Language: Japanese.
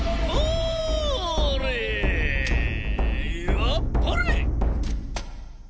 あっぱれ！